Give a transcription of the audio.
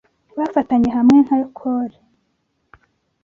Bafatanye hamwe nka kole.